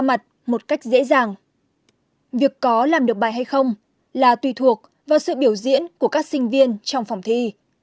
mặt một cách dễ dàng việc có làm được bài hay không là tùy thuộc vào sự biểu diễn của các sinh viên trong phòng thi